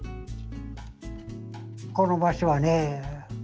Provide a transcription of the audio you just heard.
この場所はね